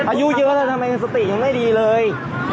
เอ้าอายุเยอะเลยทำไมสติยังไม่ดีเลย